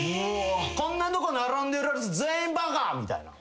こんなとこ並んでるやつ全員バカみたいな。